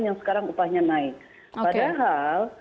yang sekarang upahnya naik padahal